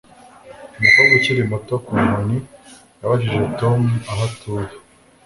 Umukobwa ukiri muto ku nkoni yabajije Tom aho atuye